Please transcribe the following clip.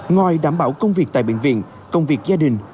ngoài đảm bảo công việc tại bệnh viện công việc gia đình